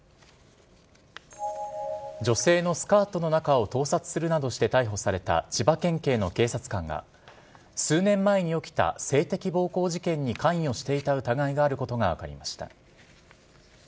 女性のスカートの中を盗撮するなどして逮捕された、千葉県警の警察官が、数年前に起きた性的暴行事件に関与していた疑いがあることが分かりました。